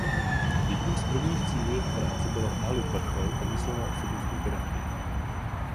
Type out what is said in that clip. Jedním z prvních cílů jeho práce bylo odhalit vrchol pomyslné osobnostní pyramidy.